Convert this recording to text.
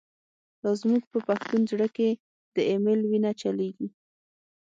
لا زمونږ په پښتون زړه کی، « د ایمل» وینه چلیږی